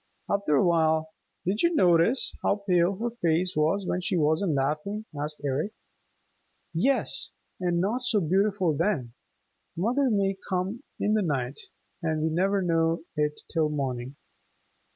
After a while, "Did you notice how pale her face was when she wasn't laughing?" asked Eric. "Yes, and not so beautiful then. Mother may come in the night, and we never know it till morning!"